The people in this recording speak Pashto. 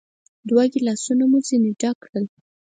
دوه ګیلاسونه مو ځینې ډک کړل.